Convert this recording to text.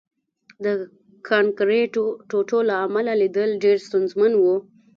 د کانکریټو ټوټو له امله لیدل ډېر ستونزمن وو